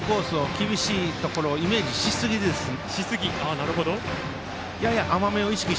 厳しいところをイメージしすぎですね。